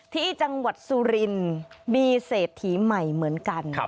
ที่จังหวัดสุรินทร์มีเศรษฐีใหม่เหมือนกัน